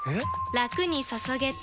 ラクに注げてペコ！